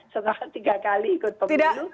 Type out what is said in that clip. setelah tiga kali ikut pemilu